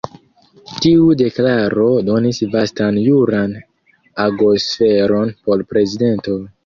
Tiu deklaro donis vastan juran agosferon por prezidento..